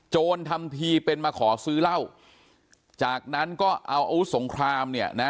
ทำทีเป็นมาขอซื้อเหล้าจากนั้นก็เอาอาวุธสงครามเนี่ยนะ